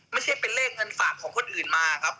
ไม่ใช่เป็นเลขเงินฝากของคนอื่นมาครับ